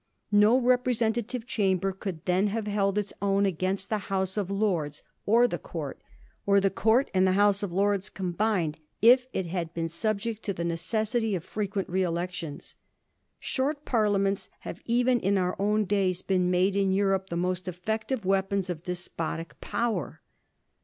No representative chamber could then have held its own against the House of Lords, or the Court, or the Court and the House of Lords combined, if it had been subject to the necessity of frequent re elections. Short parliaments have even in our own days been made in Europe the most effective weapons of despotic power.